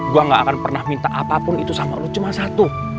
gue gak akan pernah minta apapun itu sama lo cuma satu